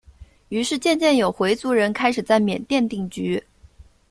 于是渐渐有回族人开始在缅甸定居。